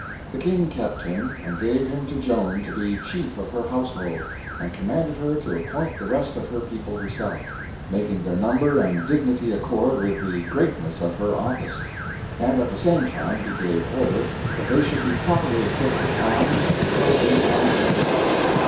The King kept him, and gave him to Joan to be chief of her household, and commanded her to appoint the rest of her people herself, making their number and dignity accord with the greatness of her office; and at the same time he gave order that they should be properly equipped with arms, clothing, and horses.